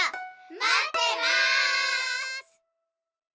まってます！